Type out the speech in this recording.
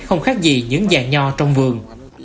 không khác gì những dạng nho trong vườn